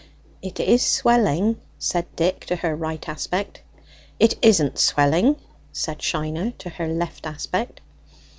"It is swelling," said Dick to her right aspect. "It isn't swelling," said Shiner to her left aspect.